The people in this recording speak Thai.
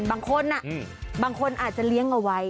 บางคนอาจจะเลี้ยงเอาไว้